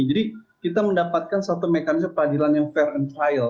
jadi kita mendapatkan satu mekanisme peradilan yang fair and trial